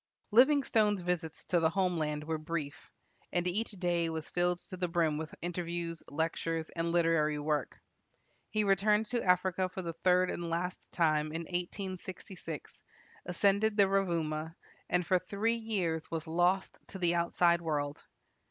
Livingstone's visits to the home land were brief, and each day was filled to the brim with interviews, lectures, and literary work. He returned to Africa for the third and last time in 1866, ascended the Rovuma, and for three years was lost to the outside world.